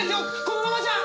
このままじゃ！